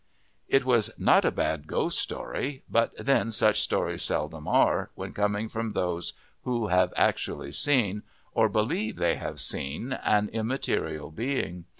It was not a bad ghost story: but then such stories seldom are when coming from those who have actually seen, or believe they have seen, an immaterial being.